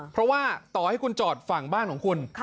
เพราะว่าต่อให้คุณจอดฝั่งบ้านของคุณ